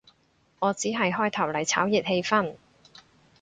我只係開頭嚟炒熱氣氛